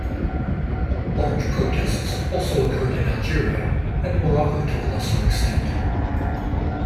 Large protests also occurred in Algeria and Morocco to a lesser extent.